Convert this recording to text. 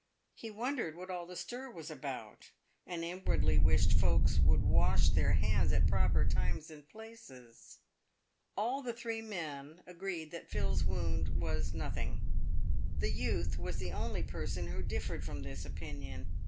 He wondered what all the stir was about, and inwardly wished folk would wash their hands at proper times and places. All the three men agreed that Phil's wound was nothing. The youth was the only person who differed from this opinion.